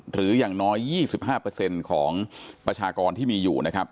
อย่างน้อย๒๕ของประชากรที่มีอยู่นะครับ